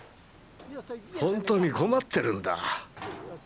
ほんとに困ってるんだ。